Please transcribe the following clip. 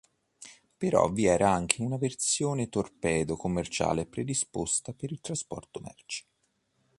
Però vi era anche una versione torpedo commerciale, predisposta per il trasporto merci.